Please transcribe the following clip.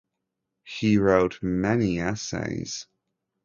He wrote many essays.